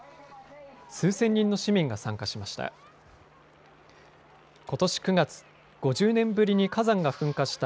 数千人の市民が参加しました。